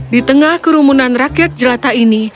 di tengah kerumunan rakyat jelata ini